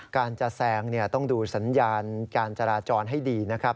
การจะแซงต้องดูสัญญาณการจราจรให้ดีนะครับ